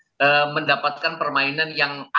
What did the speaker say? di mana kita tidak mendapatkan pertandingan yang lebih baik